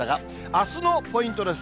あすのポイントです。